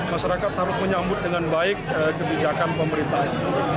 masyarakat harus menyambut dengan baik kebijakan pemerintah